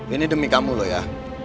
ini demi kamu loh ya